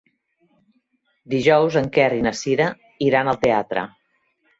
Dijous en Quer i na Cira iran al teatre.